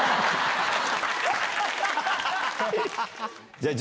じゃあ、何？